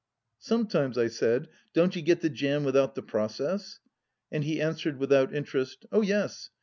" Sometimes," I said, " don't you get the jam without the process?" and he answered, without interest: "Oh yes.